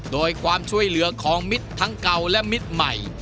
โดยความช่วยเหลือของมิตรทั้งเก่าและมิตรใหม่